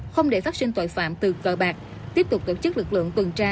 không để phát sinh tội phạm từ cờ bạc tiếp tục tổ chức lực lượng tuần tra